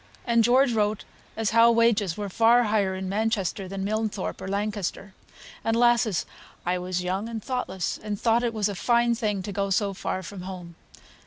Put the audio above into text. And George wrote as how wages were far higher in Manchester than Milnthorpe or Lancaster; and, lasses, I was young and thoughtless, and thought it was a fine thing to go so far from home.